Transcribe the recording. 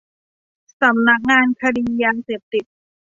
สำนักงานคดียาเสพติด